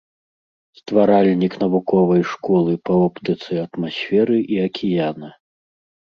Стваральнік навуковай школы па оптыцы атмасферы і акіяна.